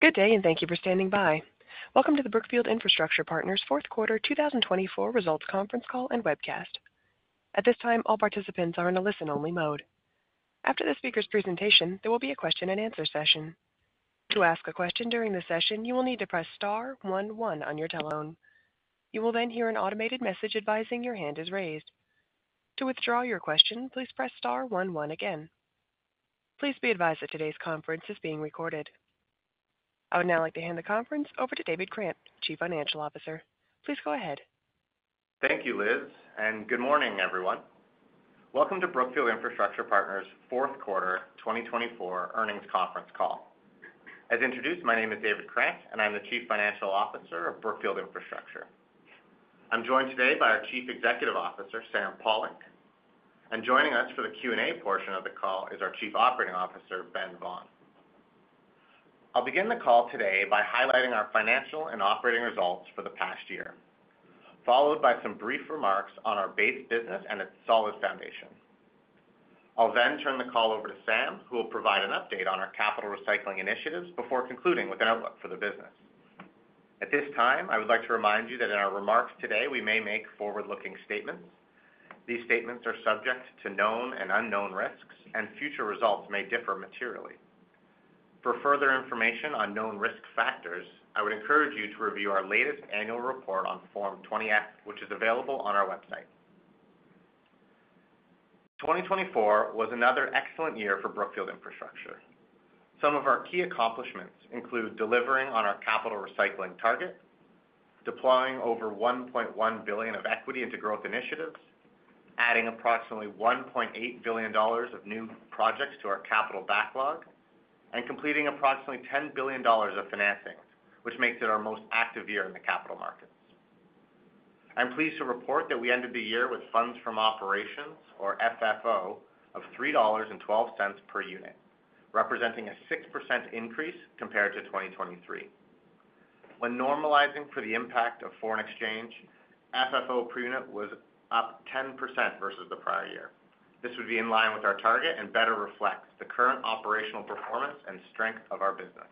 Good day, and thank you for standing by. Welcome to the Brookfield Infrastructure Partners fourth quarter 2024 results conference call and webcast. At this time, all participants are in a listen-only mode. After the speaker's presentation, there will be a question-and-answer session. To ask a question during the session, you will need to press star one one on your telephone. You will then hear an automated message advising your hand is raised. To withdraw your question, please press star one one again. Please be advised that today's conference is being recorded. I would now like to hand the conference over to David Krant, Chief Financial Officer. Please go ahead. Thank you, Liz, and good morning, everyone. Welcome to Brookfield Infrastructure Partners fourth quarter 2024 earnings conference call. As introduced, my name is David Krant, and I'm the Chief Financial Officer of Brookfield Infrastructure. I'm joined today by our Chief Executive Officer, Sam Pollock, and joining us for the Q&A portion of the call is our Chief Operating Officer, Ben Vaughan. I'll begin the call today by highlighting our financial and operating results for the past year, followed by some brief remarks on our base business and its solid foundation. I'll then turn the call over to Sam, who will provide an update on our capital recycling initiatives before concluding with an outlook for the business. At this time, I would like to remind you that in our remarks today, we may make forward-looking statements. These statements are subject to known and unknown risks, and future results may differ materially. For further information on known risk factors, I would encourage you to review our latest annual report on Form 20-F, which is available on our website. 2024 was another excellent year for Brookfield Infrastructure. Some of our key accomplishments include delivering on our capital recycling target, deploying over $1.1 billion of equity into growth initiatives, adding approximately $1.8 billion of new projects to our capital backlog, and completing approximately $10 billion of financing, which makes it our most active year in the capital markets. I'm pleased to report that we ended the year with funds from operations, or FFO, of $3.12 per unit, representing a 6% increase compared to 2023. When normalizing for the impact of foreign exchange, FFO per unit was up 10% versus the prior year. This would be in line with our target and better reflects the current operational performance and strength of our business.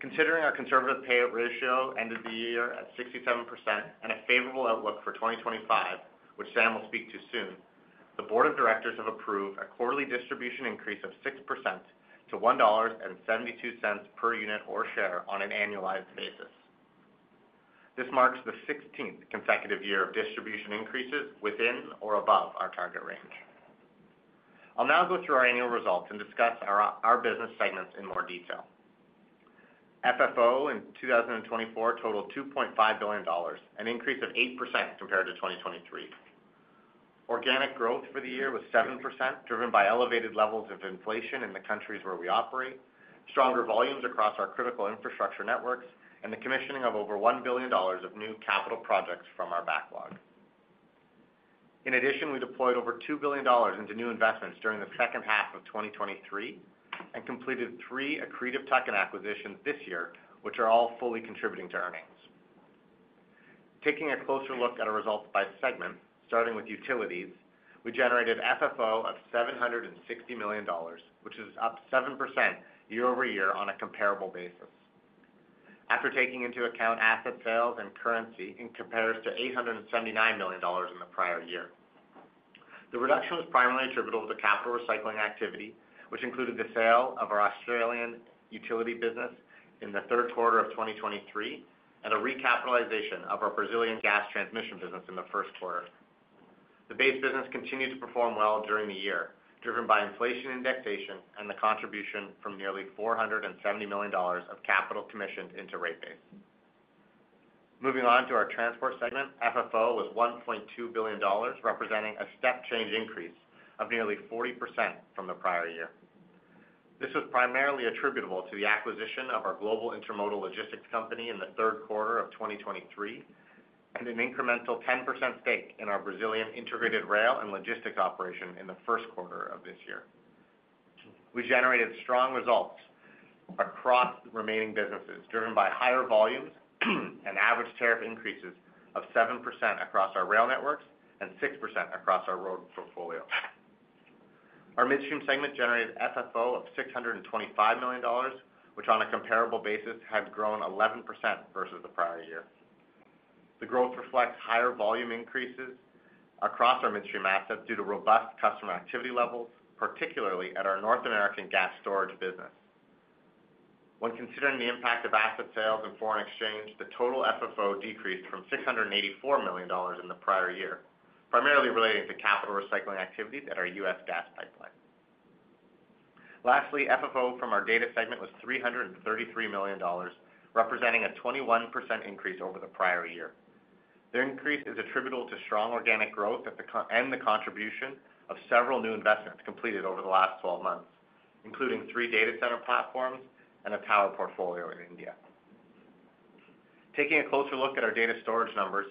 Considering our conservative payout ratio ended the year at 67% and a favorable outlook for 2025, which Sam will speak to soon, the Board of Directors have approved a quarterly distribution increase of 6% to $1.72 per unit or share on an annualized basis. This marks the 16th consecutive year of distribution increases within or above our target range. I'll now go through our annual results and discuss our business segments in more detail. FFO in 2024 totaled $2.5 billion, an increase of 8% compared to 2023. Organic growth for the year was 7%, driven by elevated levels of inflation in the countries where we operate, stronger volumes across our critical infrastructure networks, and the commissioning of over $1 billion of new capital projects from our backlog. In addition, we deployed over $2 billion into new investments during the second half of 2023 and completed three accretive tuck-in acquisitions this year, which are all fully contributing to earnings. Taking a closer look at our results by segment, starting with utilities, we generated FFO of $760 million, which is up 7% year-over-year on a comparable basis, after taking into account asset sales and currency in comparison to $879 million in the prior year. The reduction was primarily attributable to capital recycling activity, which included the sale of our Australian utility business in the third quarter of 2023 and a recapitalization of our Brazilian gas transmission business in the first quarter. The base business continued to perform well during the year, driven by inflation indexation and the contribution from nearly $470 million of capital commissioned into rate base. Moving on to our transport segment, FFO was $1.2 billion, representing a step-change increase of nearly 40% from the prior year. This was primarily attributable to the acquisition of our global intermodal logistics company in the third quarter of 2023 and an incremental 10% stake in our Brazilian integrated rail and logistics operation in the first quarter of this year. We generated strong results across the remaining businesses, driven by higher volumes and average tariff increases of 7% across our rail networks and 6% across our road portfolio. Our midstream segment generated FFO of $625 million, which on a comparable basis had grown 11% versus the prior year. The growth reflects higher volume increases across our midstream assets due to robust customer activity levels, particularly at our North American gas storage business. When considering the impact of asset sales and foreign exchange, the total FFO decreased from $684 million in the prior year, primarily relating to capital recycling activities at our U.S. gas pipeline. Lastly, FFO from our data segment was $333 million, representing a 21% increase over the prior year. The increase is attributable to strong organic growth and the contribution of several new investments completed over the last 12 months, including three data center platforms and a tower portfolio in India. Taking a closer look at our data storage numbers,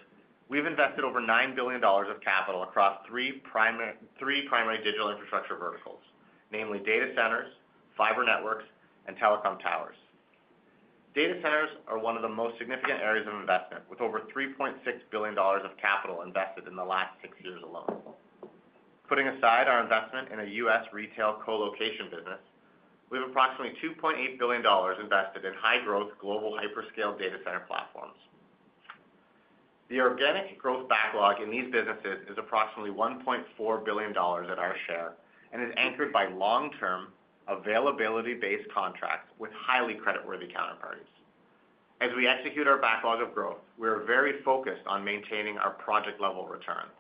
we've invested over $9 billion of capital across three primary digital infrastructure verticals, namely data centers, fiber networks, and telecom towers. Data centers are one of the most significant areas of investment, with over $3.6 billion of capital invested in the last six years alone. Putting aside our investment in a U.S. retail co-location business, we have approximately $2.8 billion invested in high-growth global hyperscale data center platforms. The organic growth backlog in these businesses is approximately $1.4 billion at our share and is anchored by long-term availability-based contracts with highly creditworthy counterparties. As we execute our backlog of growth, we are very focused on maintaining our project-level returns.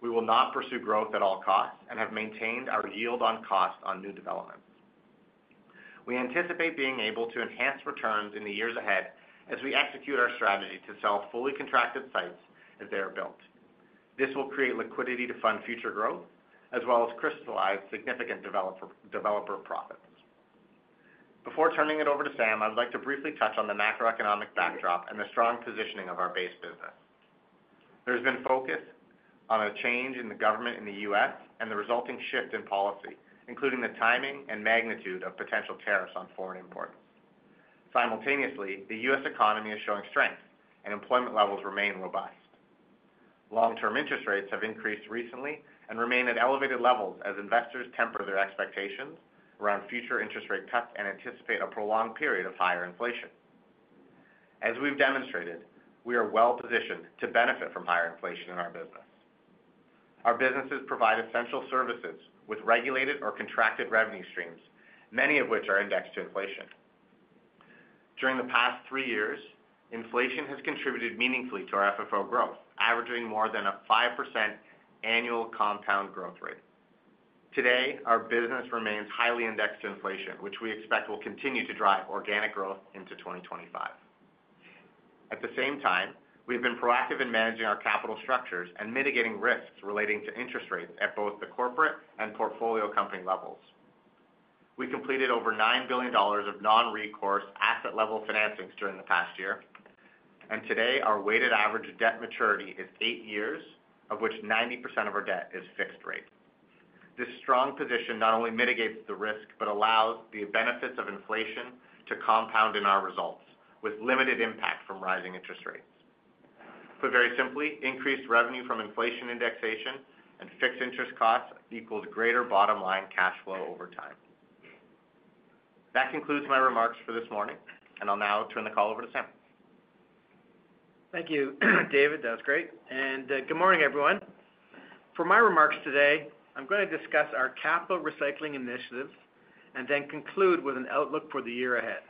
We will not pursue growth at all costs and have maintained our yield on cost on new developments. We anticipate being able to enhance returns in the years ahead as we execute our strategy to sell fully contracted sites as they are built. This will create liquidity to fund future growth, as well as crystallize significant developer profits. Before turning it over to Sam, I'd like to briefly touch on the macroeconomic backdrop and the strong positioning of our base business. There has been focus on a change in the government in the U.S. and the resulting shift in policy, including the timing and magnitude of potential tariffs on foreign imports. Simultaneously, the U.S. economy is showing strength, and employment levels remain robust. Long-term interest rates have increased recently and remain at elevated levels as investors temper their expectations around future interest rate cuts and anticipate a prolonged period of higher inflation. As we've demonstrated, we are well-positioned to benefit from higher inflation in our business. Our businesses provide essential services with regulated or contracted revenue streams, many of which are indexed to inflation. During the past three years, inflation has contributed meaningfully to our FFO growth, averaging more than a 5% annual compound growth rate. Today, our business remains highly indexed to inflation, which we expect will continue to drive organic growth into 2025. At the same time, we've been proactive in managing our capital structures and mitigating risks relating to interest rates at both the corporate and portfolio company levels. We completed over $9 billion of non-recourse asset-level financings during the past year, and today, our weighted average debt maturity is eight years, of which 90% of our debt is fixed rate. This strong position not only mitigates the risk but allows the benefits of inflation to compound in our results, with limited impact from rising interest rates. Put very simply, increased revenue from inflation indexation and fixed interest costs equals greater bottom-line cash flow over time. That concludes my remarks for this morning, and I'll now turn the call over to Sam. Thank you, David. That was great. Good morning, everyone. For my remarks today, I'm going to discuss our capital recycling initiatives and then conclude with an outlook for the year ahead.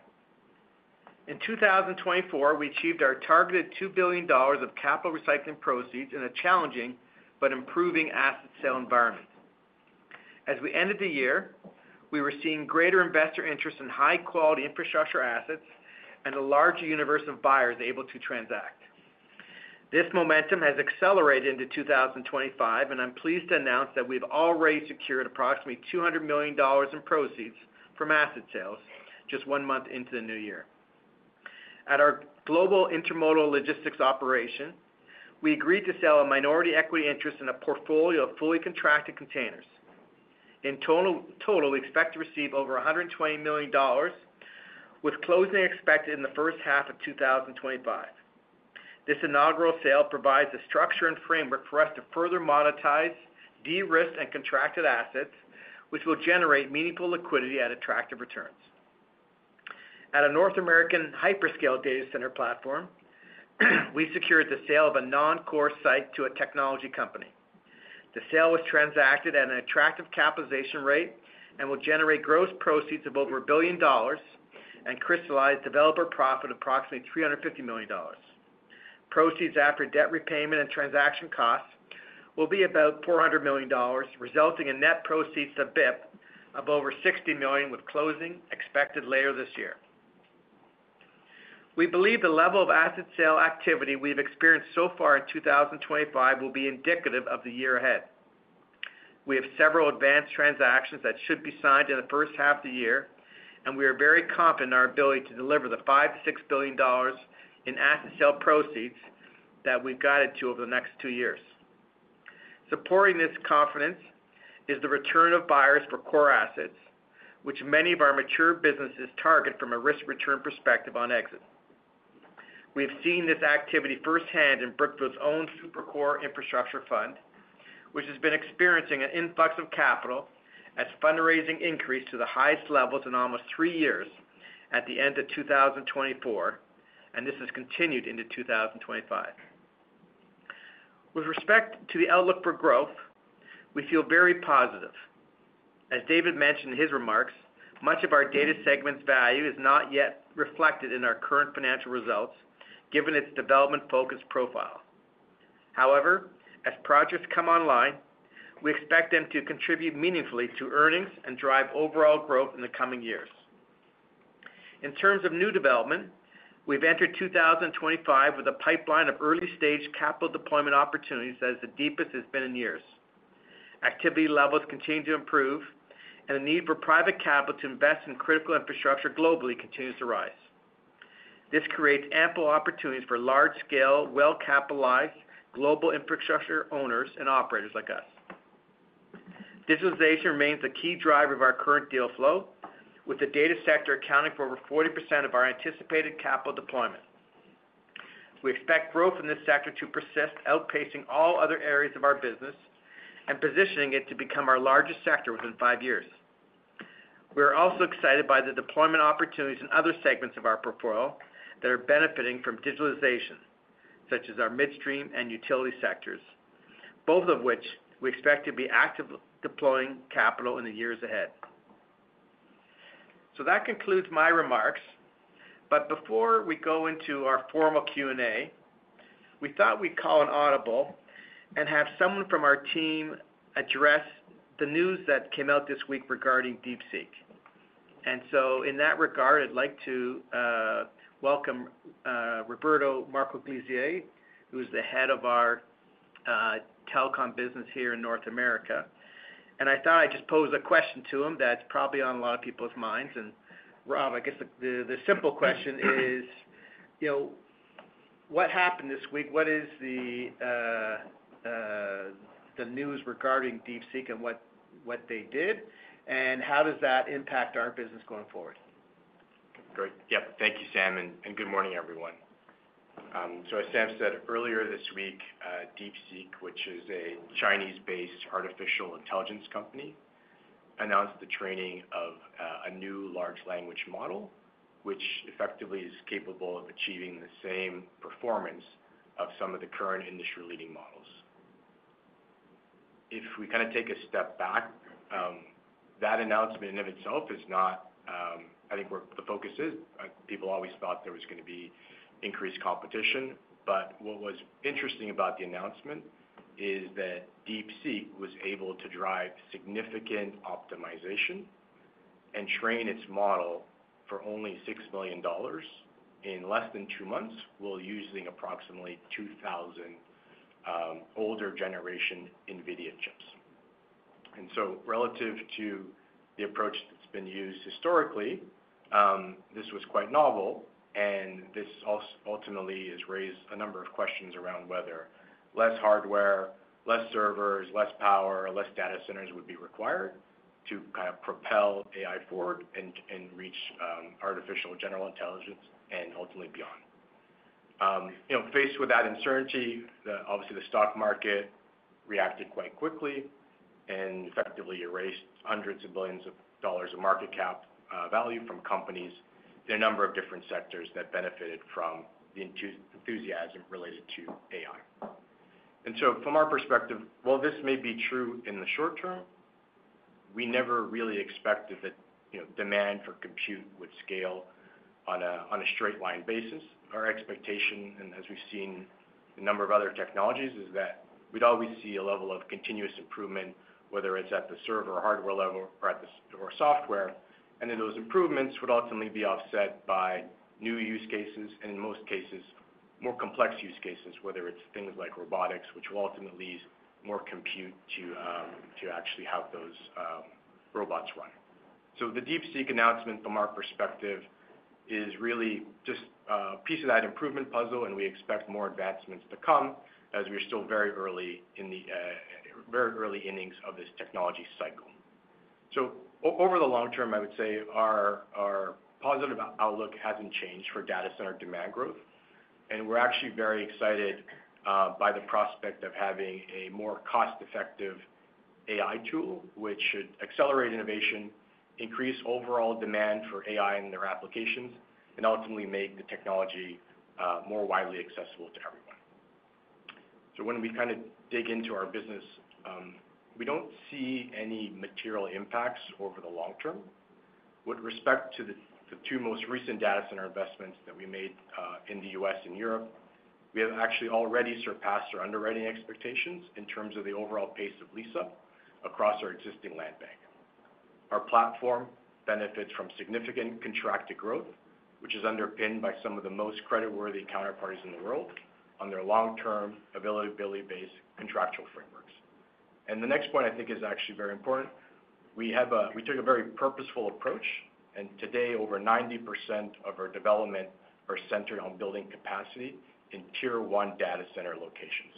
In 2024, we achieved our targeted $2 billion of capital recycling proceeds in a challenging but improving asset sale environment. As we ended the year, we were seeing greater investor interest in high-quality infrastructure assets and a larger universe of buyers able to transact. This momentum has accelerated into 2025, and I'm pleased to announce that we've already secured approximately $200 million in proceeds from asset sales just one month into the new year. At our global intermodal logistics operation, we agreed to sell a minority equity interest in a portfolio of fully contracted containers. In total, we expect to receive over $120 million, with closing expected in the first half of 2025. This inaugural sale provides a structure and framework for us to further monetize, de-risk, and contract assets, which will generate meaningful liquidity at attractive returns. At a North American hyperscale data center platform, we secured the sale of a non-core site to a technology company. The sale was transacted at an attractive capitalization rate and will generate gross proceeds of over $1 billion and crystallize developer profit of approximately $350 million. Proceeds after debt repayment and transaction costs will be about $400 million, resulting in net proceeds to BIP of over $60 million, with closing expected later this year. We believe the level of asset sale activity we've experienced so far in 2025 will be indicative of the year ahead. We have several advanced transactions that should be signed in the first half of the year, and we are very confident in our ability to deliver the $5 billion-$6 billion in asset sale proceeds that we've guided to over the next two years. Supporting this confidence is the return of buyers for core assets, which many of our mature businesses target from a risk-return perspective on exit. We have seen this activity firsthand in Brookfield's own Super-Core Infrastructure Partners, which has been experiencing an influx of capital as fundraising increased to the highest levels in almost three years at the end of 2024, and this has continued into 2025. With respect to the outlook for growth, we feel very positive. As David mentioned in his remarks, much of our data segment's value is not yet reflected in our current financial results, given its development-focused profile. However, as projects come online, we expect them to contribute meaningfully to earnings and drive overall growth in the coming years. In terms of new development, we've entered 2025 with a pipeline of early-stage capital deployment opportunities that is the deepest it's been in years. Activity levels continue to improve, and the need for private capital to invest in critical infrastructure globally continues to rise. This creates ample opportunities for large-scale, well-capitalized global infrastructure owners and operators like us. Digitalization remains the key driver of our current deal flow, with the data sector accounting for over 40% of our anticipated capital deployment. We expect growth in this sector to persist, outpacing all other areas of our business and positioning it to become our largest sector within five years. We are also excited by the deployment opportunities in other segments of our portfolio that are benefiting from digitalization, such as our midstream and utility sectors, both of which we expect to be actively deploying capital in the years ahead. So that concludes my remarks. But before we go into our formal Q&A, we thought we'd call an audible and have someone from our team address the news that came out this week regarding DeepSeek. And so in that regard, I'd like to welcome Roberto Marcogliese, who is the Head of our Telecom business here in North America. And I thought I'd just pose a question to him that's probably on a lot of people's minds. And Rob, I guess the simple question is, what happened this week? What is the news regarding DeepSeek and what they did, and how does that impact our business going forward? Great. Yep. Thank you, Sam, and good morning, everyone. So as Sam said, earlier this week, DeepSeek, which is a Chinese-based artificial intelligence company, announced the training of a new large language model, which effectively is capable of achieving the same performance of some of the current industry-leading models. If we kind of take a step back, that announcement in and of itself is not, I think the focus is people always thought there was going to be increased competition. But what was interesting about the announcement is that DeepSeek was able to drive significant optimization and train its model for only $6 million in less than two months while using approximately 2,000 older-generation NVIDIA chips. And so relative to the approach that's been used historically, this was quite novel, and this ultimately has raised a number of questions around whether less hardware, less servers, less power, or less data centers would be required to kind of propel AI forward and reach artificial general intelligence and ultimately beyond. Faced with that uncertainty, obviously, the stock market reacted quite quickly and effectively erased hundreds of billions of dollars of market cap value from companies in a number of different sectors that benefited from the enthusiasm related to AI. And so from our perspective, while this may be true in the short term, we never really expected that demand for compute would scale on a straight-line basis. Our expectation, and as we've seen a number of other technologies, is that we'd always see a level of continuous improvement, whether it's at the server or hardware level or software. And then those improvements would ultimately be offset by new use cases and, in most cases, more complex use cases, whether it's things like robotics, which will ultimately use more compute to actually have those robots run. So the DeepSeek announcement, from our perspective, is really just a piece of that improvement puzzle, and we expect more advancements to come as we're still very early innings of this technology cycle. So over the long term, I would say our positive outlook hasn't changed for data center demand growth, and we're actually very excited by the prospect of having a more cost-effective AI tool, which should accelerate innovation, increase overall demand for AI and their applications, and ultimately make the technology more widely accessible to everyone. So when we kind of dig into our business, we don't see any material impacts over the long term. With respect to the two most recent data center investments that we made in the U.S. and Europe, we have actually already surpassed our underwriting expectations in terms of the overall pace of lease-up across our existing land bank. Our platform benefits from significant contracted growth, which is underpinned by some of the most creditworthy counterparties in the world on their long-term availability-based contractual frameworks. And the next point I think is actually very important. We took a very purposeful approach, and today, over 90% of our development are centered on building capacity in Tier 1 data center locations,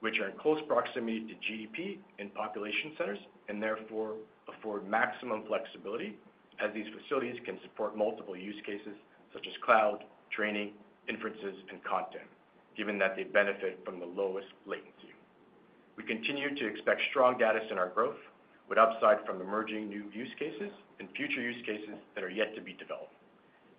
which are in close proximity to GDP in population centers and therefore afford maximum flexibility as these facilities can support multiple use cases such as cloud, training, inferences, and content, given that they benefit from the lowest latency. We continue to expect strong data center growth with upside from emerging new use cases and future use cases that are yet to be developed.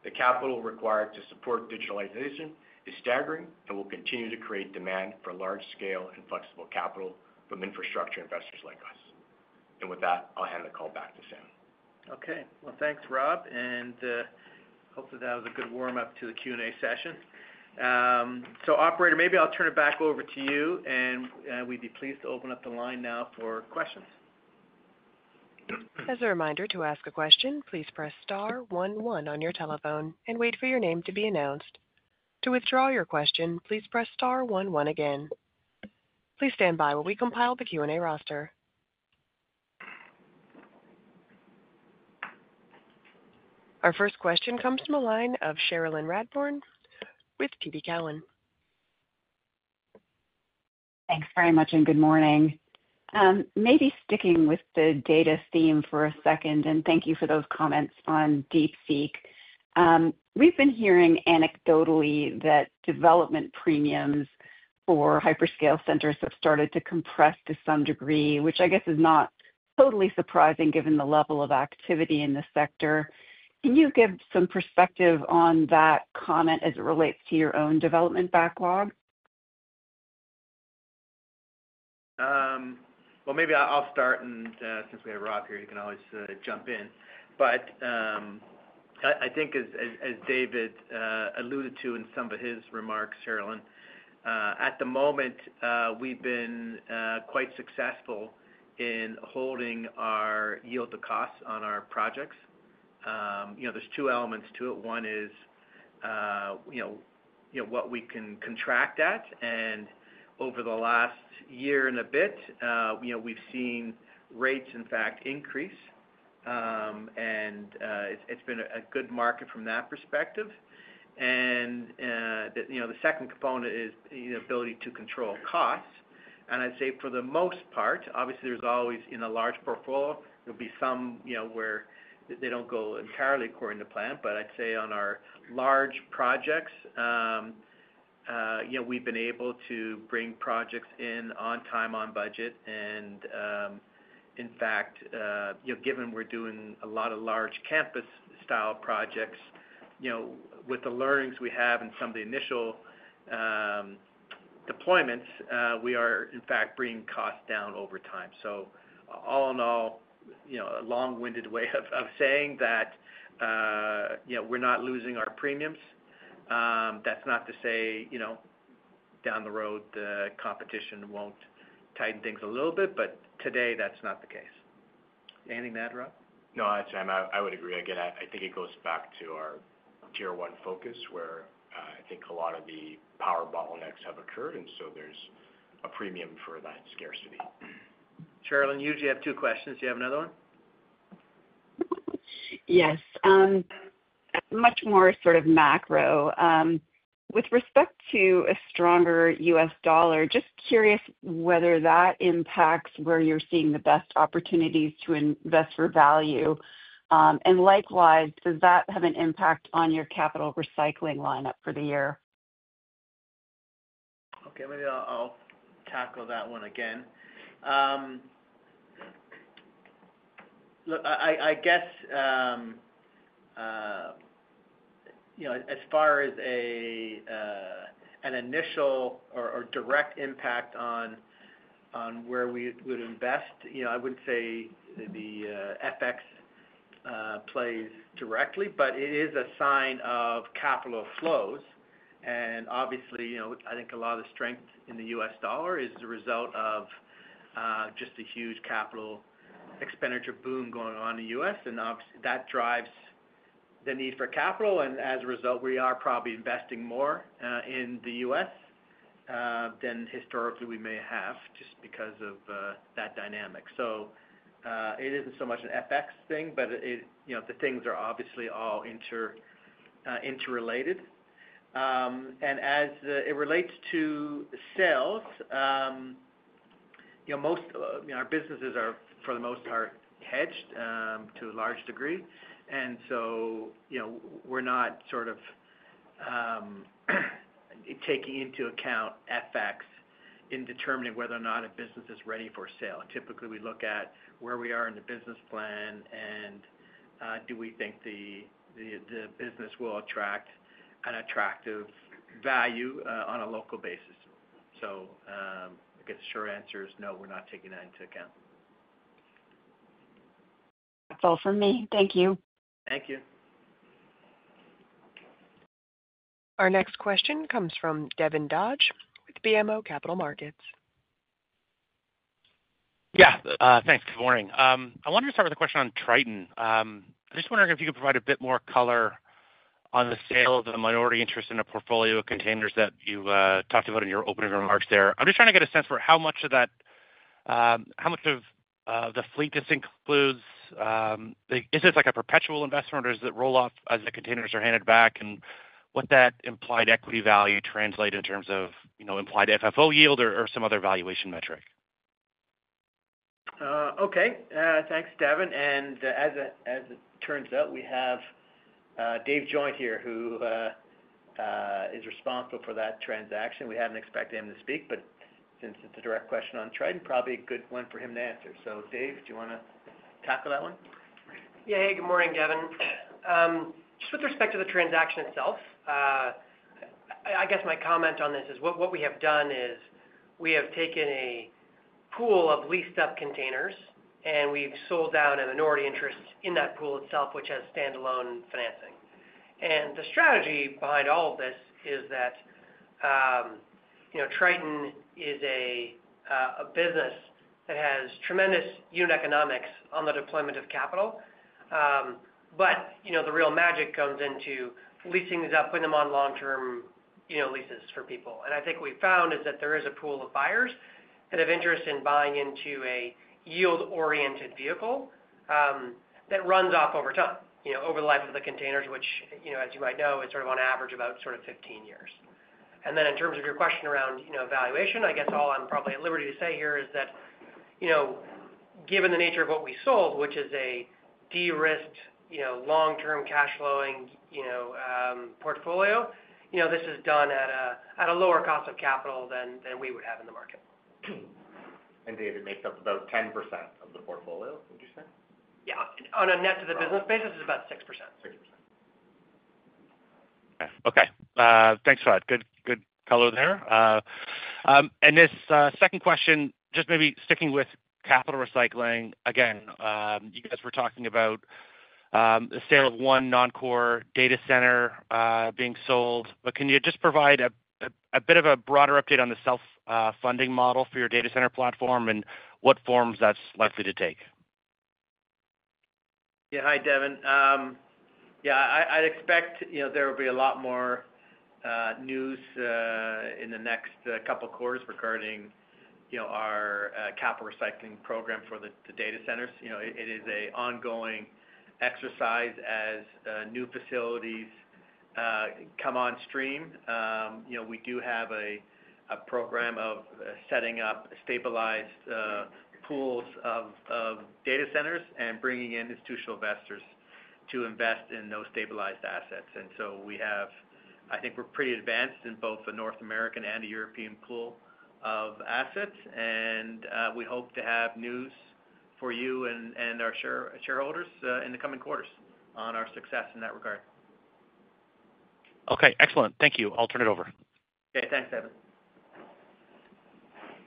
The capital required to support digitalization is staggering and will continue to create demand for large-scale and flexible capital from infrastructure investors like us, and with that, I'll hand the call back to Sam. Okay. Well, thanks, Rob. And hopefully, that was a good warm-up to the Q&A session. So Operator, maybe I'll turn it back over to you, and we'd be pleased to open up the line now for questions. As a reminder to ask a question, please press star one one on your telephone and wait for your name to be announced. To withdraw your question, please press star one one again. Please stand by while we compile the Q&A roster. Our first question comes from a line of Cherilyn Radbourne with TD Cowen. Thanks very much and good morning. Maybe sticking with the data theme for a second, and thank you for those comments on DeepSeek. We've been hearing anecdotally that development premiums for hyperscale centers have started to compress to some degree, which I guess is not totally surprising given the level of activity in the sector. Can you give some perspective on that comment as it relates to your own development backlog? Maybe I'll start, and since we have Rob here, he can always jump in. I think, as David alluded to in some of his remarks, Cherilyn, at the moment, we've been quite successful in holding our yield on costs on our projects. There's two elements to it. One is what we can contract at. Over the last year and a bit, we've seen rates, in fact, increase, and it's been a good market from that perspective. The second component is the ability to control costs. I'd say for the most part, obviously, there's always in a large portfolio, there'll be some where they don't go entirely according to plan. I'd say on our large projects, we've been able to bring projects in on time, on budget. In fact, given we're doing a lot of large campus-style projects, with the learnings we have and some of the initial deployments, we are, in fact, bringing costs down over time. All in all, a long-winded way of saying that we're not losing our premiums. That's not to say down the road the competition won't tighten things a little bit, but today, that's not the case. Anything to add, Rob? No, Sam, I would agree. Again, I think it goes back to our Tier 1 focus where I think a lot of the power bottlenecks have occurred, and so there's a premium for that scarcity. Cherilyn, you usually have two questions. Do you have another one? Yes. Much more sort of macro. With respect to a stronger US dollar, just curious whether that impacts where you're seeing the best opportunities to invest for value. And likewise, does that have an impact on your capital recycling lineup for the year? Okay. Maybe I'll tackle that one again. Look, I guess as far as an initial or direct impact on where we would invest, I wouldn't say the FX plays directly, but it is a sign of capital flows. And obviously, I think a lot of the strength in the US dollar is the result of just a huge capital expenditure boom going on in the U.S. And that drives the need for capital. And as a result, we are probably investing more in the U.S. than historically we may have just because of that dynamic. So it isn't so much an FX thing, but the things are obviously all interrelated. And as it relates to sales, our businesses, for the most part, are hedged to a large degree. And so we're not sort of taking into account FX in determining whether or not a business is ready for sale. Typically, we look at where we are in the business plan and do we think the business will attract an attractive value on a local basis. So I guess the short answer is no, we're not taking that into account. That's all from me. Thank you. Thank you. Our next question comes from Devin Dodge with BMO Capital Markets. Yeah. Thanks. Good morning. I wanted to start with a question on Triton. I'm just wondering if you could provide a bit more color on the sale of the minority interest in a portfolio of containers that you talked about in your opening remarks there. I'm just trying to get a sense for how much of that, how much of the fleet this includes. Is this like a perpetual investment, or does it roll off as the containers are handed back? And what that implied equity value translate in terms of implied FFO yield or some other valuation metric? Okay. Thanks, Devin. And as it turns out, we have David Joynt here, who is responsible for that transaction. We hadn't expected him to speak, but since it's a direct question on Triton, probably a good one for him to answer. So David, do you want to tackle that one? Yeah. Hey, good morning, Devin. Just with respect to the transaction itself, I guess my comment on this is what we have done is we have taken a pool of leased-up containers, and we've sold down a minority interest in that pool itself, which has standalone financing. And the strategy behind all of this is that Triton is a business that has tremendous unit economics on the deployment of capital. But the real magic comes into leasing these up, putting them on long-term leases for people. And I think what we found is that there is a pool of buyers that have interest in buying into a yield-oriented vehicle that runs off over time, over the life of the containers, which, as you might know, is sort of on average about sort of 15 years. Then in terms of your question around valuation, I guess all I'm probably at liberty to say here is that given the nature of what we sold, which is a de-risked, long-term cash-flowing portfolio, this is done at a lower cost of capital than we would have in the market. Data makes up about 10% of the portfolio, would you say? Yeah. On a net-to-the-business basis, it's about 6%. 6%. Okay. Thanks for that. Good color there. And this second question, just maybe sticking with capital recycling. Again, you guys were talking about the sale of one non-core data center being sold. But can you just provide a bit of a broader update on the self-funding model for your data center platform and what forms that's likely to take? Yeah. Hi, Devin. Yeah. I'd expect there will be a lot more news in the next couple of quarters regarding our capital recycling program for the data centers. It is an ongoing exercise as new facilities come on stream. We do have a program of setting up stabilized pools of data centers and bringing in institutional investors to invest in those stabilized assets. And so we have. I think we're pretty advanced in both the North American and the European pool of assets. And we hope to have news for you and our shareholders in the coming quarters on our success in that regard. Okay. Excellent. Thank you. I'll turn it over. Okay. Thanks, Devin.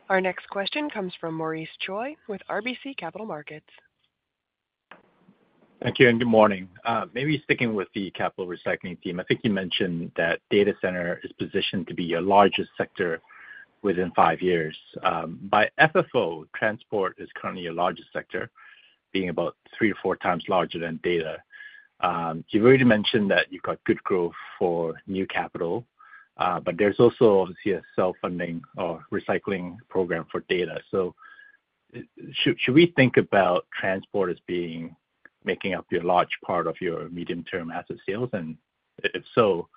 Our next question comes from Maurice Choy with RBC Capital Markets. Thank you. And good morning. Maybe sticking with the capital recycling theme, I think you mentioned that data centers are positioned to be your largest sector within five years. By FFO, transport is currently your largest sector, being about 3x or 4x larger than data. You've already mentioned that you've got good growth for new capital, but there's also obviously a self-funding or recycling program for data. So should we think about transport as making up a large part of your medium-term asset sales? And if so,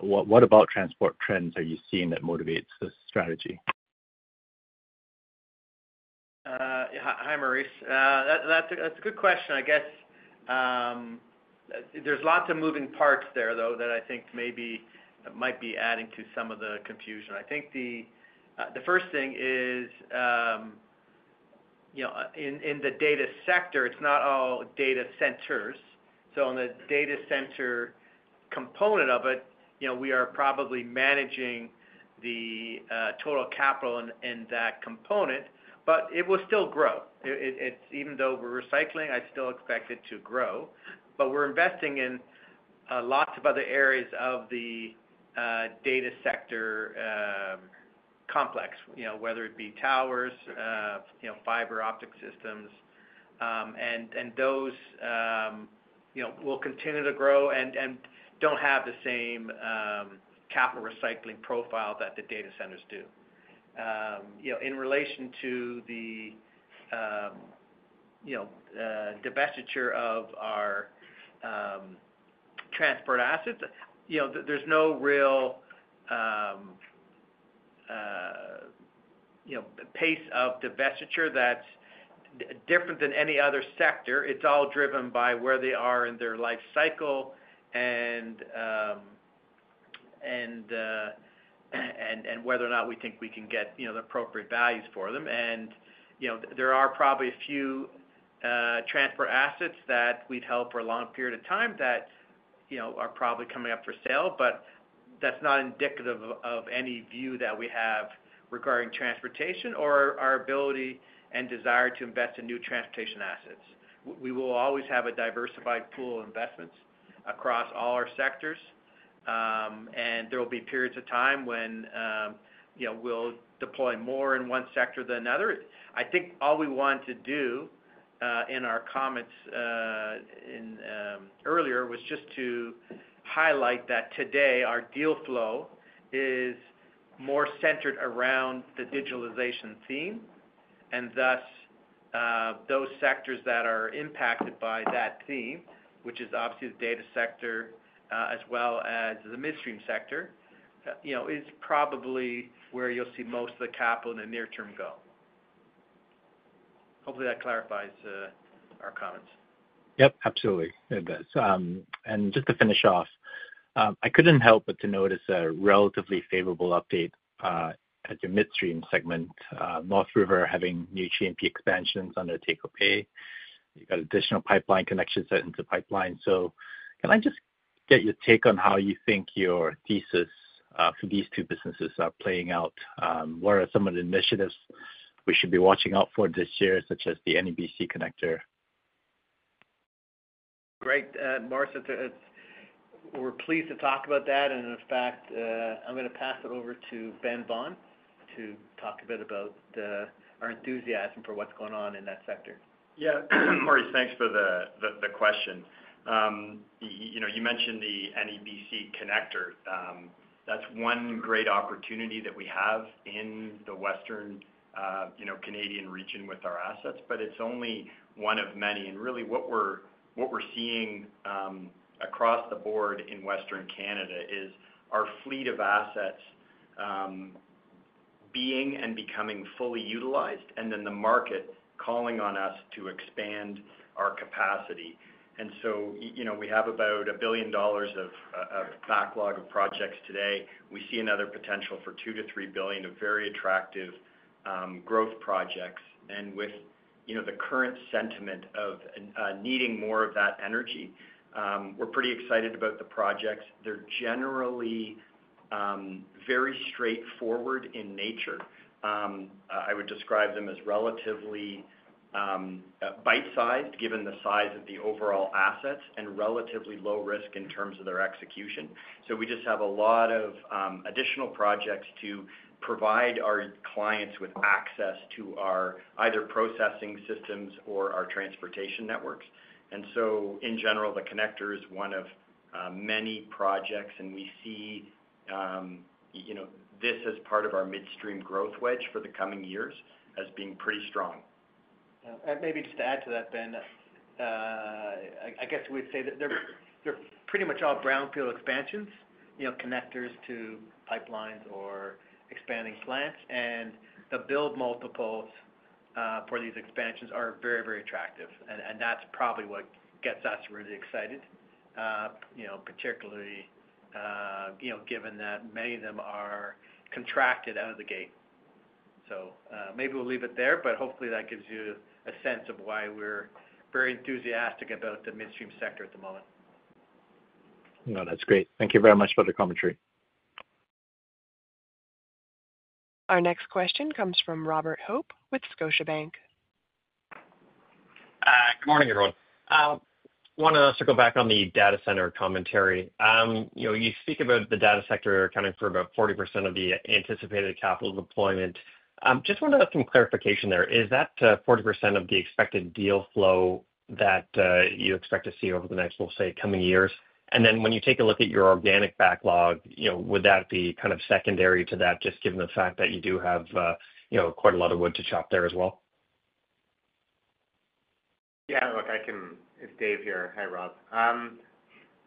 what about transport trends are you seeing that motivates this strategy? Hi, Maurice. That's a good question. I guess there's lots of moving parts there, though, that I think maybe might be adding to some of the confusion. I think the first thing is in the data sector, it's not all data centers. So on the data center component of it, we are probably managing the total capital in that component, but it will still grow. Even though we're recycling, I still expect it to grow, but we're investing in lots of other areas of the data sector complex, whether it be towers, fiber optic systems, and those will continue to grow and don't have the same capital recycling profile that the data centers do. In relation to the divestiture of our transport assets, there's no real pace of divestiture that's different than any other sector. It's all driven by where they are in their life cycle and whether or not we think we can get the appropriate values for them. And there are probably a few transport assets that we'd hold for a long period of time that are probably coming up for sale, but that's not indicative of any view that we have regarding transportation or our ability and desire to invest in new transportation assets. We will always have a diversified pool of investments across all our sectors, and there will be periods of time when we'll deploy more in one sector than another. I think all we want to do in our comments earlier was just to highlight that today our deal flow is more centered around the digitalization theme. Thus, those sectors that are impacted by that theme, which is obviously the data sector as well as the midstream sector, is probably where you'll see most of the capital in the near term go. Hopefully, that clarifies our comments. Yep. Absolutely. It does, and just to finish off, I couldn't help but to notice a relatively favorable update at your midstream segment, North River having new LNG expansions under take-or-pay. You've got additional pipeline connections set in the pipeline. So can I just get your take on how you think your thesis for these two businesses are playing out? What are some of the initiatives we should be watching out for this year, such as the NEBC Connector? Great. Maurice, we're pleased to talk about that. And in fact, I'm going to pass it over to Ben Vaughan to talk a bit about our enthusiasm for what's going on in that sector. Yeah. Maurice, thanks for the question. You mentioned the NEBC Connector. That's one great opportunity that we have in the Western Canadian region with our assets, but it's only one of many, and really, what we're seeing across the board in Western Canada is our fleet of assets being and becoming fully utilized, and then the market calling on us to expand our capacity, and so we have about $1 billion of backlog of projects today. We see another potential for $2 billion-$3 billion of very attractive growth projects, and with the current sentiment of needing more of that energy, we're pretty excited about the projects. They're generally very straightforward in nature. I would describe them as relatively bite-sized given the size of the overall assets and relatively low risk in terms of their execution. So we just have a lot of additional projects to provide our clients with access to either processing systems or our transportation networks. And so in general, the connector is one of many projects, and we see this as part of our midstream growth wedge for the coming years as being pretty strong. And maybe just to add to that, Ben, I guess we'd say that they're pretty much all brownfield expansions, connectors to pipelines or expanding plants. And the build multiples for these expansions are very, very attractive. And that's probably what gets us really excited, particularly given that many of them are contracted out of the gate. So maybe we'll leave it there, but hopefully that gives you a sense of why we're very enthusiastic about the midstream sector at the moment. No, that's great. Thank you very much for the commentary. Our next question comes from Robert Hope with Scotiabank. Good morning, everyone. I want to circle back on the data center commentary. You speak about the data sector accounting for about 40% of the anticipated capital deployment. Just wanted to have some clarification there. Is that 40% of the expected deal flow that you expect to see over the next, we'll say, coming years? And then when you take a look at your organic backlog, would that be kind of secondary to that, just given the fact that you do have quite a lot of wood to chop there as well? Yeah. Look, it's David here. Hi, Rob.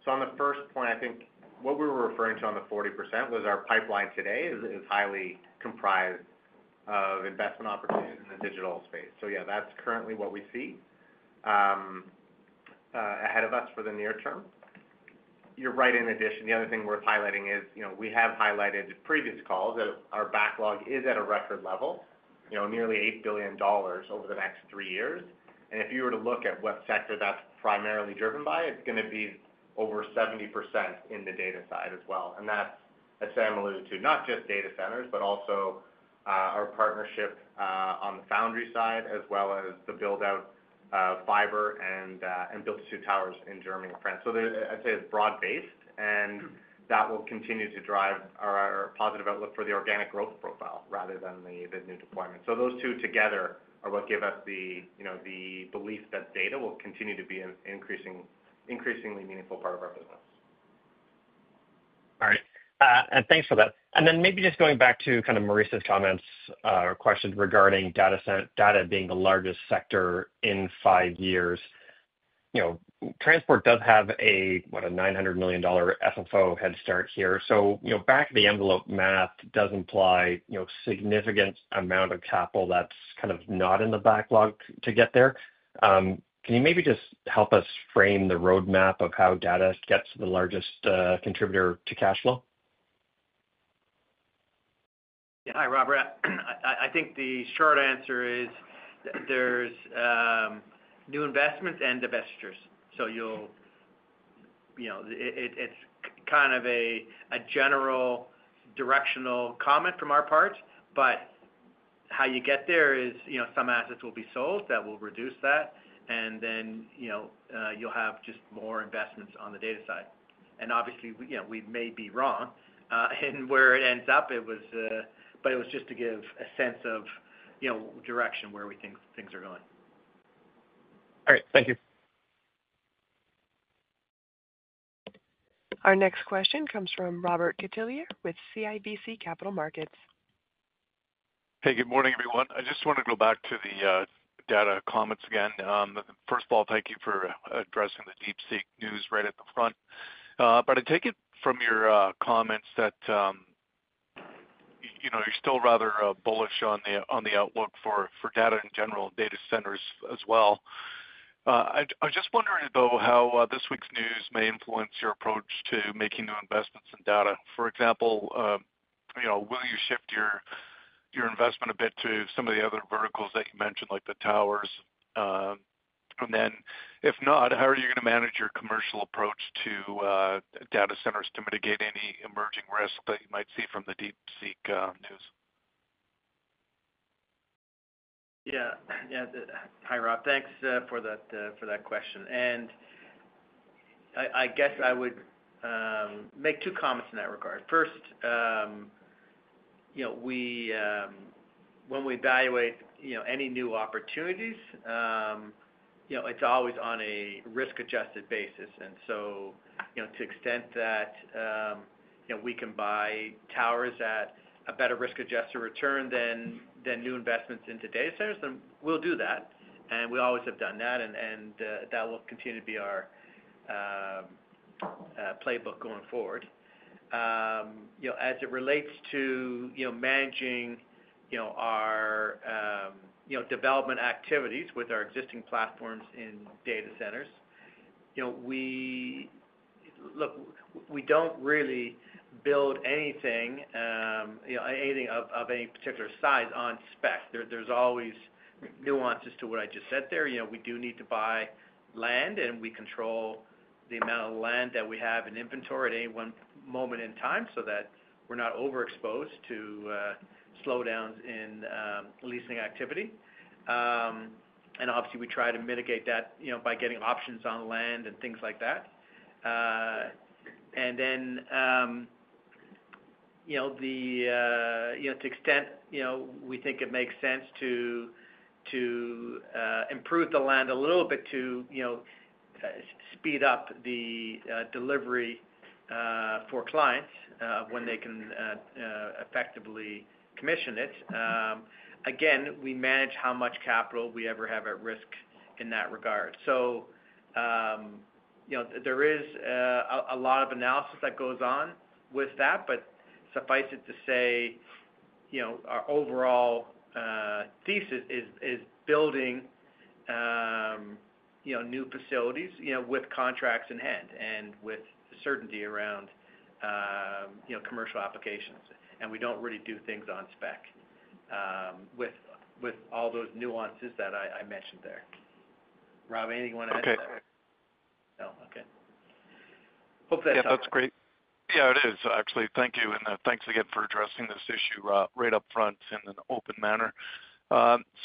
So on the first point, I think what we were referring to on the 40% was our pipeline today is highly comprised of investment opportunities in the digital space. So yeah, that's currently what we see ahead of us for the near term. You're right. In addition, the other thing worth highlighting is we have highlighted in previous calls that our backlog is at a record level, nearly $8 billion over the next three years. And if you were to look at what sector that's primarily driven by, it's going to be over 70% in the data side as well. And that's, as Sam alluded to, not just data centers, but also our partnership on the foundry side, as well as the build-out fiber and build-to-suit towers in Germany and France. So I'd say it's broad-based, and that will continue to drive our positive outlook for the organic growth profile rather than the new deployment. So those two together are what give us the belief that data will continue to be an increasingly meaningful part of our business. All right. And thanks for that. And then maybe just going back to kind of Maurice's comments or question regarding data being the largest sector in five years, transport does have a, what, a $900 million FFO head start here. So back of the envelope math does imply a significant amount of capital that's kind of not in the backlog to get there. Can you maybe just help us frame the roadmap of how data gets the largest contributor to cash flow? Yeah. Hi, Robert. I think the short answer is there's new investments and divestitures. So it's kind of a general directional comment from our part. But how you get there is some assets will be sold that will reduce that, and then you'll have just more investments on the data side. And obviously, we may be wrong in where it ends up, but it was just to give a sense of direction where we think things are going. All right. Thank you. Our next question comes from Robert Catellier with CIBC Capital Markets. Hey, good morning, everyone. I just wanted to go back to the data comments again. First of all, thank you for addressing the DeepSeek news right at the front. But I take it from your comments that you're still rather bullish on the outlook for data in general, data centers as well. I'm just wondering, though, how this week's news may influence your approach to making new investments in data. For example, will you shift your investment a bit to some of the other verticals that you mentioned, like the towers? And then if not, how are you going to manage your commercial approach to data centers to mitigate any emerging risks that you might see from the DeepSeek news? Yeah. Yeah. Hi, Rob. Thanks for that question. And I guess I would make two comments in that regard. First, when we evaluate any new opportunities, it's always on a risk-adjusted basis. And so to the extent that we can buy towers at a better risk-adjusted return than new investments into data centers, then we'll do that. And we always have done that, and that will continue to be our playbook going forward. As it relates to managing our development activities with our existing platforms in data centers, look, we don't really build anything of any particular size on spec. There's always nuances to what I just said there. We do need to buy land, and we control the amount of land that we have in inventory at any one moment in time so that we're not overexposed to slowdowns in leasing activity. Obviously, we try to mitigate that by getting options on land and things like that. To the extent we think it makes sense to improve the land a little bit to speed up the delivery for clients when they can effectively commission it, we manage how much capital we ever have at risk in that regard. There is a lot of analysis that goes on with that, but suffice it to say our overall thesis is building new facilities with contracts in hand and with certainty around commercial applications. We don't really do things on spec with all those nuances that I mentioned there. Rob, anything you want to add to that? Okay. No. Okay. Hopefully, that's helpful. Yeah. That's great. Yeah, it is, actually. Thank you. And thanks again for addressing this issue right up front in an open manner.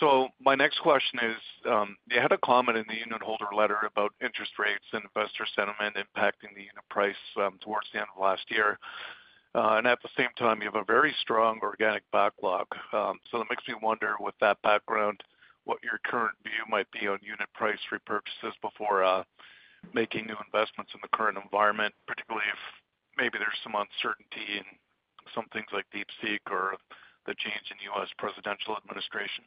So my next question is, you had a comment in the unitholder letter about interest rates and investor sentiment impacting the unit price towards the end of last year. And at the same time, you have a very strong organic backlog. So it makes me wonder, with that background, what your current view might be on unit price repurchases before making new investments in the current environment, particularly if maybe there's some uncertainty in some things like DeepSeek or the change in U.S. presidential administration?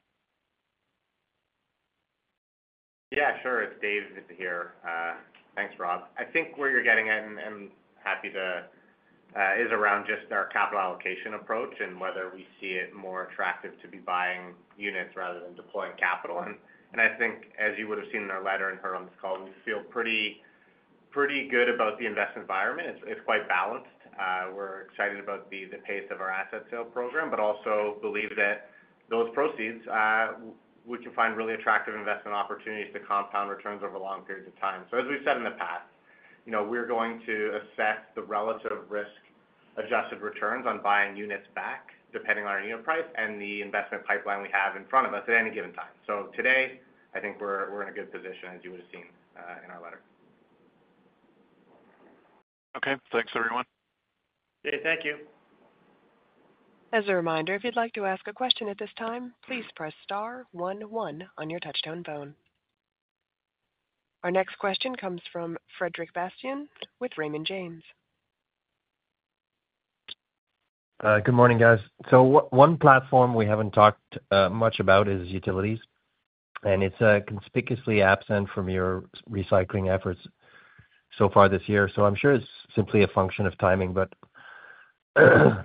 Yeah. Sure. It's David here. Thanks, Rob. I think what you're getting at, and I'm happy to, is around just our capital allocation approach and whether we see it more attractive to be buying units rather than deploying capital. I think, as you would have seen in our letter and heard on this call, we feel pretty good about the investment environment. It's quite balanced. We're excited about the pace of our asset sale program, but also believe that those proceeds, we can find really attractive investment opportunities to compound returns over long periods of time. So as we've said in the past, we're going to assess the relative risk-adjusted returns on buying units back, depending on our unit price and the investment pipeline we have in front of us at any given time. So today, I think we're in a good position, as you would have seen in our letter. Okay. Thanks, everyone. Okay, thank you. As a reminder, if you'd like to ask a question at this time, please press star one one on your touchstone phone. Our next question comes from Frederic Bastian with Raymond James. Good morning, guys. So one platform we haven't talked much about is utilities, and it's conspicuously absent from your recycling efforts so far this year. So I'm sure it's simply a function of timing, but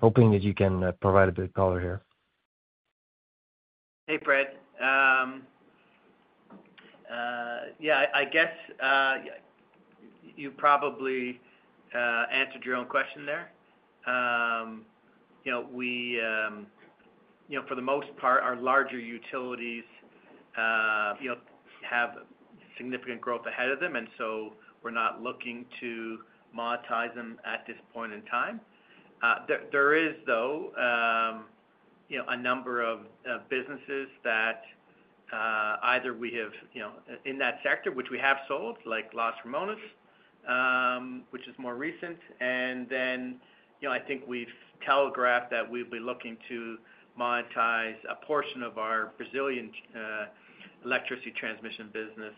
hoping that you can provide a bit of color here. Hey, Fred. Yeah. I guess you probably answered your own question there. For the most part, our larger utilities have significant growth ahead of them, and so we're not looking to monetize them at this point in time. There is, though, a number of businesses that either we have in that sector, which we have sold, like Los Ramones, which is more recent, and then I think we've telegraphed that we'll be looking to monetize a portion of our Brazilian electricity transmission business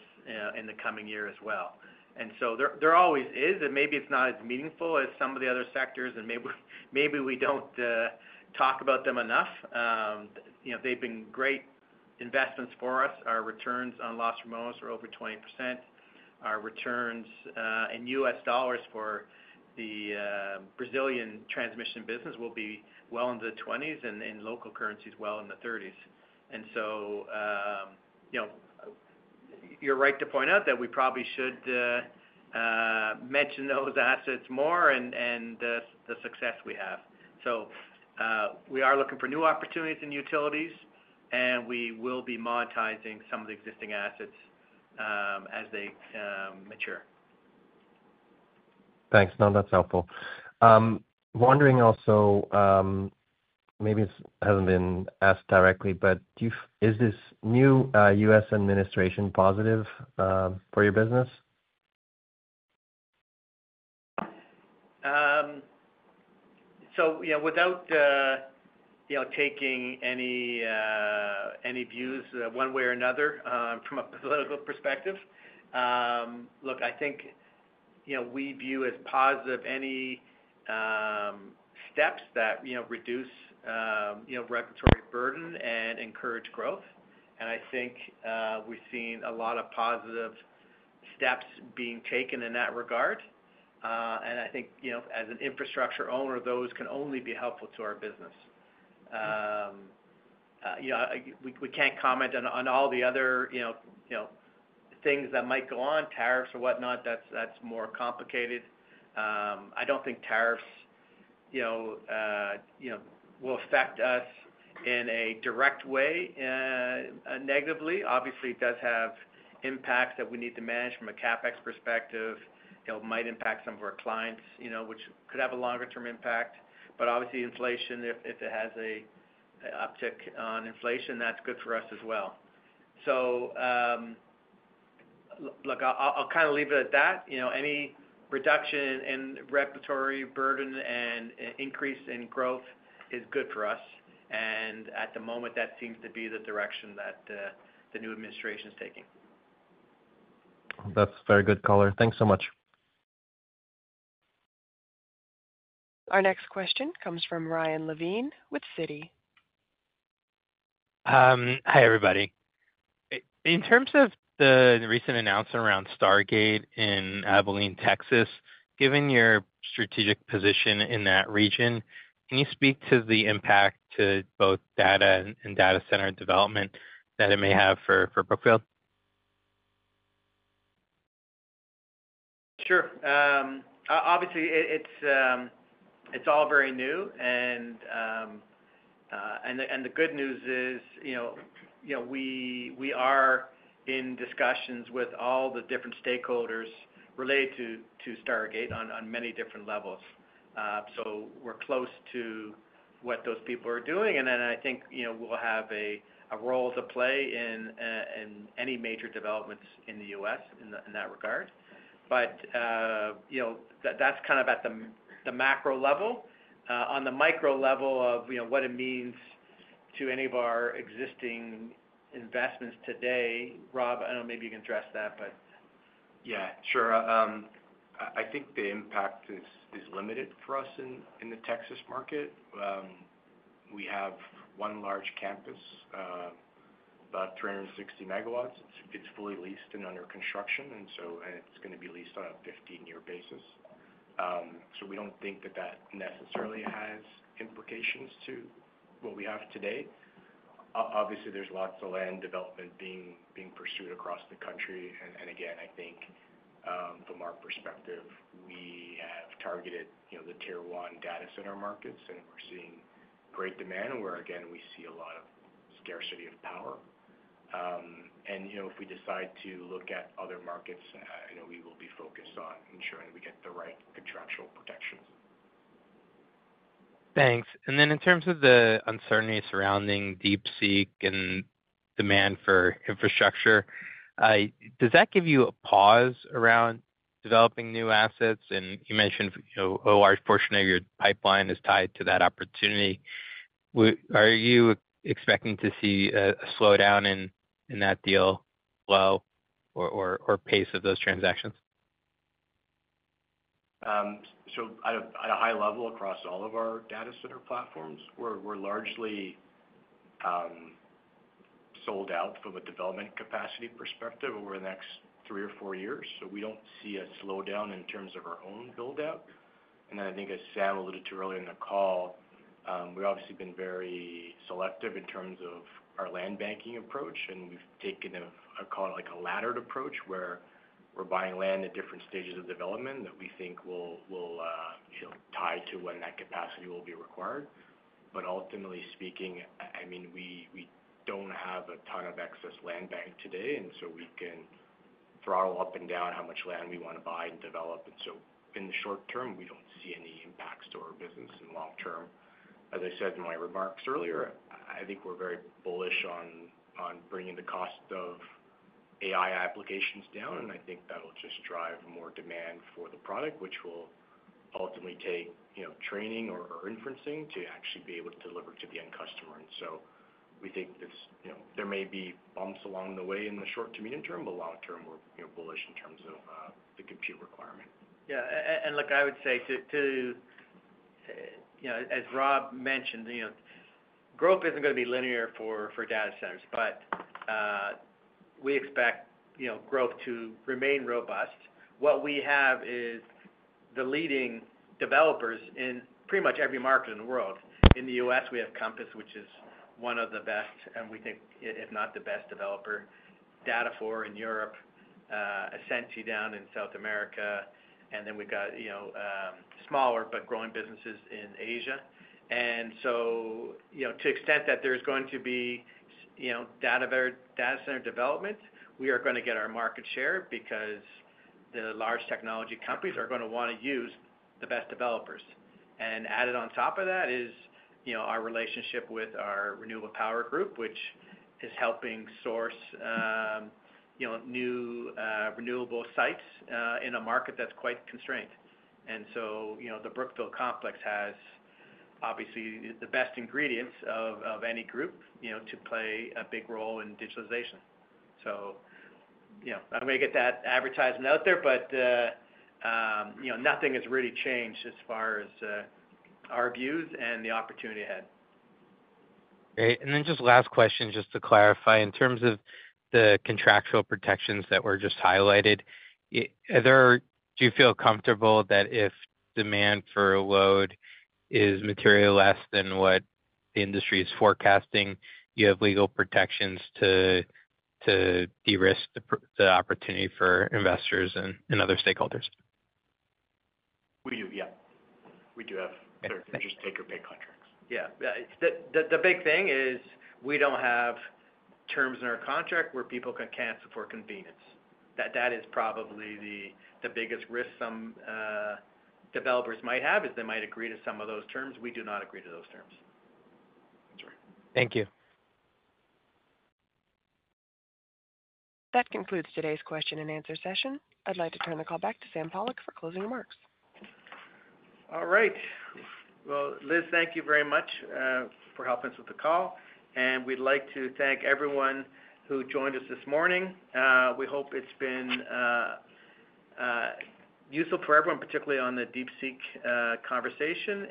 in the coming year as well, and so there always is, and maybe it's not as meaningful as some of the other sectors, and maybe we don't talk about them enough. They've been great investments for us. Our returns on Los Ramones are over 20%. Our returns in US dollars for the Brazilian transmission business will be well into the 20% and in local currencies, well in the 30%. And so you're right to point out that we probably should mention those assets more and the success we have. So we are looking for new opportunities in utilities, and we will be monetizing some of the existing assets as they mature. Thanks. No, that's helpful. Wondering also, maybe this hasn't been asked directly, but is this new U.S. administration positive for your business? So without taking any views one way or another from a political perspective, look, I think we view as positive any steps that reduce regulatory burden and encourage growth. And I think we've seen a lot of positive steps being taken in that regard. And I think as an infrastructure owner, those can only be helpful to our business. We can't comment on all the other things that might go on, tariffs or whatnot. That's more complicated. I don't think tariffs will affect us in a direct way negatively. Obviously, it does have impacts that we need to manage from a CapEx perspective. It might impact some of our clients, which could have a longer-term impact. But obviously, inflation, if it has an uptick on inflation, that's good for us as well. So look, I'll kind of leave it at that. Any reduction in regulatory burden and increase in growth is good for us. And at the moment, that seems to be the direction that the new administration is taking. That's very good color. Thanks so much. Our next question comes from Ryan Levine with Citi. Hi, everybody. In terms of the recent announcement around Stargate in Abilene, Texas, given your strategic position in that region, can you speak to the impact to both data and data center development that it may have for Brookfield? Sure. Obviously, it's all very new. And the good news is we are in discussions with all the different stakeholders related to Stargate on many different levels. So we're close to what those people are doing. And then I think we'll have a role to play in any major developments in the U.S. in that regard. But that's kind of at the macro level. On the micro level of what it means to any of our existing investments today, Rob, I don't know if you can address that, but. Yeah. Sure. I think the impact is limited for us in the Texas market. We have one large campus, about 360 MW. It's fully leased and under construction, and it's going to be leased on a 15-year basis. So we don't think that that necessarily has implications to what we have today. Obviously, there's lots of land development being pursued across the country. And again, I think from our perspective, we have targeted the Tier 1 data center markets, and we're seeing great demand where, again, we see a lot of scarcity of power. And if we decide to look at other markets, we will be focused on ensuring we get the right contractual protections. Thanks. And then in terms of the uncertainty surrounding DeepSeek and demand for infrastructure, does that give you a pause around developing new assets? And you mentioned a large portion of your pipeline is tied to that opportunity. Are you expecting to see a slowdown in that deal flow or pace of those transactions? So at a high level across all of our data center platforms, we're largely sold out from a development capacity perspective over the next three or four years. So we don't see a slowdown in terms of our own build-out. And then I think, as Sam alluded to earlier in the call, we've obviously been very selective in terms of our land banking approach. And we've taken a call it like a laddered approach where we're buying land at different stages of development that we think will tie to when that capacity will be required. But ultimately speaking, I mean, we don't have a ton of excess land banked today, and so we can throttle up and down how much land we want to buy and develop. And so in the short term, we don't see any impacts to our business. And long term, as I said in my remarks earlier, I think we're very bullish on bringing the cost of AI applications down. And I think that'll just drive more demand for the product, which will ultimately take training or inferencing to actually be able to deliver to the end customer. And so we think there may be bumps along the way in the short to medium term, but long term, we're bullish in terms of the compute requirement. Yeah. And look, I would say, as Rob mentioned, growth isn't going to be linear for data centers, but we expect growth to remain robust. What we have is the leading developers in pretty much every market in the world. In the U.S., we have Compass, which is one of the best, and we think, if not the best developer. Data4 in Europe, Ascenty down in South America. And then we've got smaller but growing businesses in Asia. And so to the extent that there's going to be data center development, we are going to get our market share because the large technology companies are going to want to use the best developers. And added on top of that is our relationship with our Renewable Power Group, which is helping source new renewable sites in a market that's quite constrained. And so the Brookfield Complex has obviously the best ingredients of any group to play a big role in digitalization. So I'm going to get that advertisement out there, but nothing has really changed as far as our views and the opportunity ahead. Great. And then just last question, just to clarify, in terms of the contractual protections that were just highlighted, do you feel comfortable that if demand for a load is materially less than what the industry is forecasting, you have legal protections to de-risk the opportunity for investors and other stakeholders? We do. Yeah. We do have certain interest take-or-pay contracts. Yeah. The big thing is we don't have terms in our contract where people can cancel for convenience. That is probably the biggest risk some developers might have, is they might agree to some of those terms. We do not agree to those terms. That's right. Thank you. That concludes today's question and answer session. I'd like to turn the call back to Sam Pollock for closing remarks. All right. Liz, thank you very much for helping us with the call. We'd like to thank everyone who joined us this morning. We hope it's been useful for everyone, particularly on the DeepSeek conversation.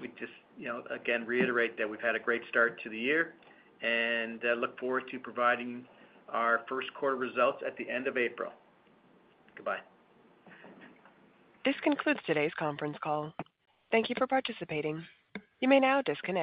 We just, again, reiterate that we've had a great start to the year and look forward to providing our first quarter results at the end of April. Goodbye. This concludes today's conference call. Thank you for participating. You may now disconnect.